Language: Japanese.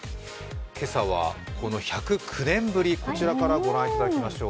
今朝はこの１０９年ぶりからご覧いただきましょう。